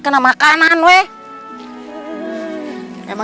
ini ada marah apa b entuh gimana